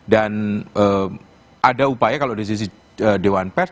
dan ada upaya kalau dari sisi dewan pes